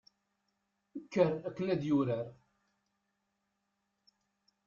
kker akken ad yurar